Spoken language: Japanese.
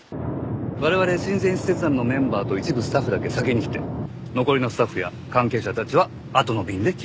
我々親善使節団のメンバーと一部スタッフだけ先に来て残りのスタッフや関係者たちはあとの便で来ます。